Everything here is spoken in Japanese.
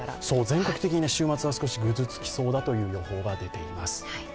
全国的に週末は少しぐずつきそうだという予報が出ています。